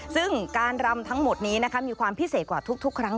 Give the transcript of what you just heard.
ซึ่งการรำทั้งหมดนี้มีความพิเศษกว่าทุกครั้ง